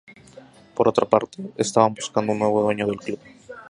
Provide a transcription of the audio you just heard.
Por otra parte, estaban buscando un nuevo dueño del club.